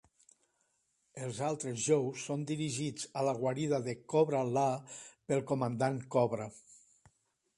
Els altres Joes són dirigits a la guarida de Cobra-La pel comandant Cobra.